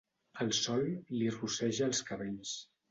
El sol li rosseja els cabells.